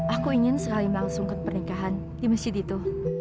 aku ingin sekali mengsung ke pernikahan di masjid itu